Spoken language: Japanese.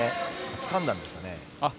つかんだんですかね。